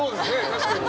確かに。